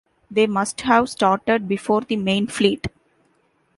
They must have started before the main fleet.